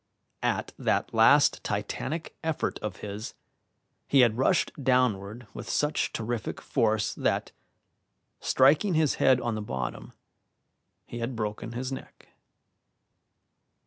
At that last titanic effort of his he had rushed downward with such terrific force that, striking his head on the bottom, he had broken his neck.